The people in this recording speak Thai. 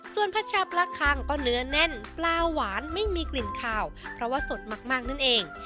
ส่วนผัชชาปลาคังก็เนื้อแน่นปลาหวานไม่มีกลิ่นขาวเพราะว่าสดมากนั่นเอง